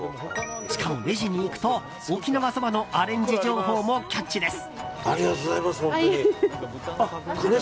しかもレジに行くと沖縄そばのアレンジ情報もキャッチです。